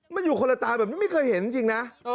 มันอยู่คนละตาไม่เคยเห็นน่ะจริงนะ